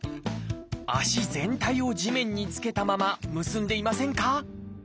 足全体を地面に着けたまま結んでいませんか？